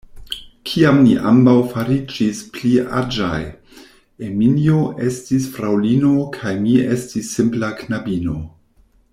Kiam ni ambaŭ fariĝis pli aĝaj, Eminjo estis fraŭlino kaj mi estis simpla knabino.